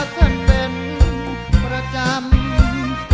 ท่านเป็นประจำ